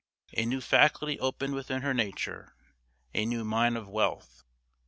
A new faculty opened within her nature, a new mine of wealth.